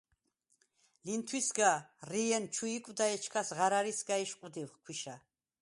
ლინთვისგა რიენ ჩუ იკვდა, ეჩქას ღარა̈რისგა იშყვდივ ქვიშა.